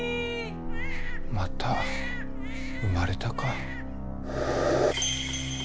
・また産まれたか。